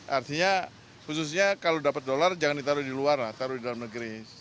artinya khususnya kalau dapat dolar jangan ditaruh di luar lah taruh di dalam negeri